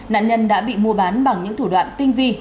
nạn nhân đã bị mua bán bằng những thủ đoạn tinh vi